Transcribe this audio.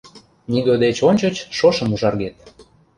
Нигӧ деч ончыч шошым ужаргет